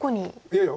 いやいや。